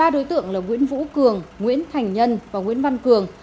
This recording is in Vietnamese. ba đối tượng là nguyễn vũ cường nguyễn thành nhân và nguyễn văn cường